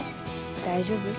大丈夫？